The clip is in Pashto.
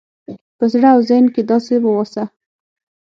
په زړه او ذهن کې داسې واوسه